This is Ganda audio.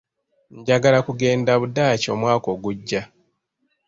Njagala kugenda Budaaki omwaka ogujja.